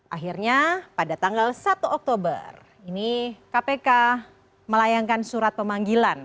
akhirnya pada tanggal satu oktober ini kpk melayangkan surat pemanggilan